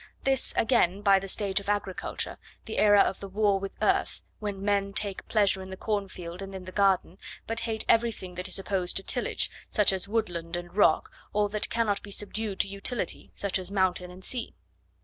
This, again, by the stage of agriculture, the era of the war with earth, when men take pleasure in the cornfield and in the garden, but hate everything that is opposed to tillage, such as woodland and rock, or that cannot be subdued to utility, such as mountain and sea.